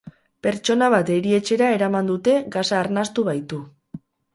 Pertsona bat erietxera eraman dute, gasa arnastu baitu.